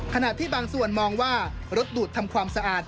ขณะที่บางส่วนมองว่ารถดูดทำความสะอาด